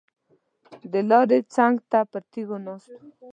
د لارې څنګ ته پر تیږو ناست وو.